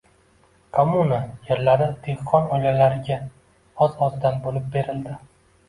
“Kommuna” yerlari dehqon oilalariga oz-ozdan bo‘lib berildi.